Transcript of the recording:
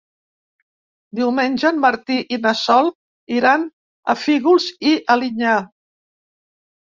Diumenge en Martí i na Sol iran a Fígols i Alinyà.